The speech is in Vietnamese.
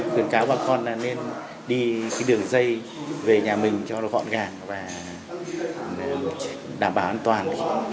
khuyến cáo bác con là nên đi đường dây về nhà mình cho vận gạt và đảm bảo an toàn